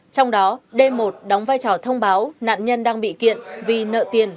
trong đó d một đóng vai trò thông báo nạn nhân đang bị kiện vì nợ tiền